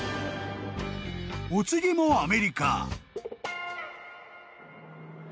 ［お次もアメリカ］